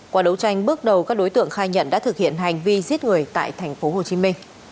qua đấu tranh bước đầu các đối tượng khai nhận đã thực hiện hành vi giết người tại tp hcm